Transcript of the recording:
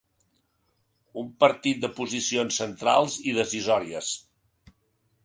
Un partit de posicions centrals i decisòries.